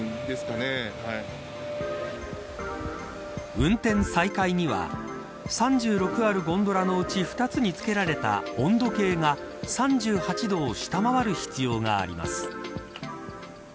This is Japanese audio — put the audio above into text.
運転再開には３６あるゴンドラのうち２つに付けられた温度計が３８度を下回る必要があります。